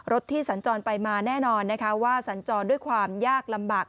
ที่สัญจรไปมาแน่นอนนะคะว่าสัญจรด้วยความยากลำบาก